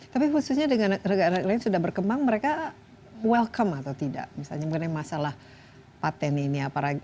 tapi khususnya dengan negara negara lain sudah berkembang mereka welcome atau tidak misalnya masalah patent ini apa lagi